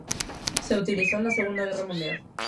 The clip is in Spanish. Se utilizó en la Segunda Guerra Mundial.